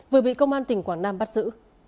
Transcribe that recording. vừa bị công an tỉnh quảng nam bắt giữ